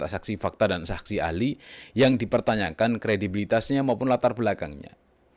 saksi fakta dan saksi ahli yang dipertanyakan kredibilitasnya maupun latar belakangnya